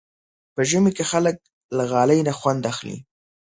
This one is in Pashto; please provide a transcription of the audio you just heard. په ژمي کې خلک له غالۍ نه خوند اخلي.